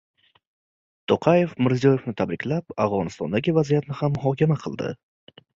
To‘qayev Mirziyoyevni tabriklab, Afg‘onistondagi vaziyatni ham muhokama qildi